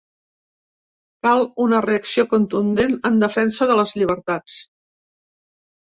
Cal una reacció contundent en defensa de les llibertats.